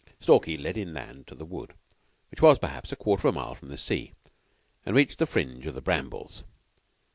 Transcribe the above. Stalky led inland to the wood, which was, perhaps, a quarter of a mile from the sea, and reached the fringe of the brambles.